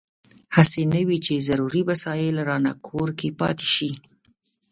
هسې نه وي چې ضروري وسایل رانه کور کې پاتې شي.